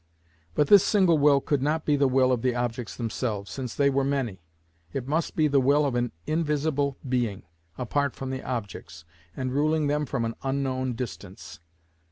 But this single will could not be the will of the objects themselves, since they were many: it must be the will of an invisible being, apart from the objects, and ruling them from an unknown distance.